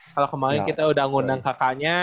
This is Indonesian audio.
kalau kemarin kita udah ngundang kakaknya